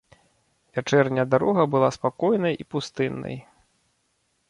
Вячэрняя дарога была спакойнай і пустыннай.